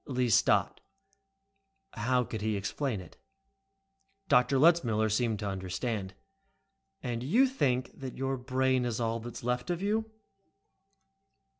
Lee stopped. How could he explain it? But Letzmiller seemed to understand. "And you think that your brain is all that is left of 'you'?"